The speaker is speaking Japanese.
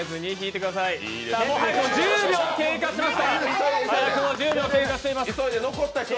３０秒が経過しました。